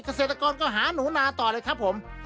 เกษตรกรก็หาหนูนาต่อเลยครับผม